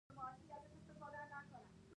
مالګه فشار لوړوي